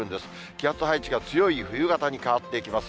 気圧配置が強い冬型に変わっていきます。